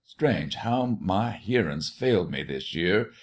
Strange how my hearin' 's failed me this year!